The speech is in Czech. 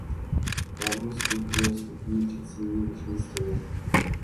Hlavní vstup je vstupní předsíni v jižním stěně.